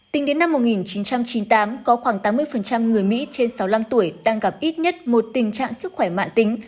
tính đến năm một nghìn chín trăm chín mươi tám có khoảng tám mươi người mỹ trên sáu mươi năm tuổi đang gặp ít nhất một tình trạng sức khỏe mạng tính